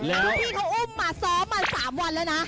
พี่เขาอุ้มมาซ้อมมา๓วันแล้วนะ